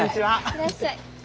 いらっしゃい！